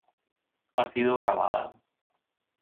Ha sido grabada.